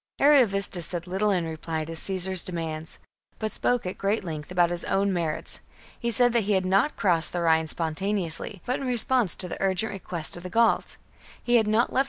44. Ariovistus said little in reply to Caesar's demands, but spoke at great length about his own merits. He said that he had not crossed the Rhine spontaneously, but in response to the HELVETII AND ARIOVISTUS 41 urgent request of the Gauls ; he had not leTt 58 b.